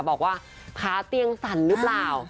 บอกว่าขาเตียงสั่นหรือเปล่า